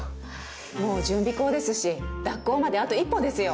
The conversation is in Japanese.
もう準備稿ですし脱稿まであと一歩ですよ。